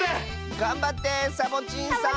がんばってサボちんさん！